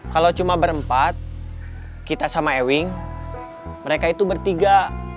kalau cuma berempat kita sama ewing mereka itu bertiga